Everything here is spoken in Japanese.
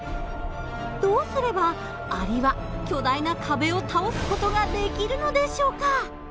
どうすればアリは巨大な壁を倒す事ができるのでしょうか？